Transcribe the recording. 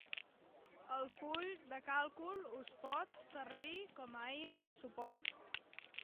El full de càlcul us pot servir com a eina de suport.